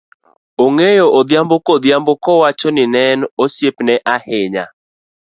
ong'eyo, odhiambo kodhiambo, kowacho ni ne en osiepne ahinya.